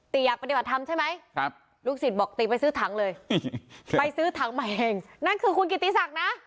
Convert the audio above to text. ตีอยากปฏิบัติธรรมใช่ไหมลูกสิบอกตีไปซื้อถังเลยไปซื้อถังมาเองนั่นคือคุณกิตตีสักนะ